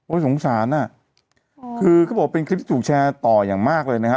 สงสารอ่ะคือเขาบอกเป็นคลิปที่ถูกแชร์ต่ออย่างมากเลยนะฮะ